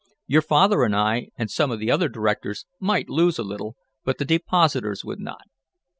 Your father and I, and some of the other directors, might lose a little, but the depositors would not.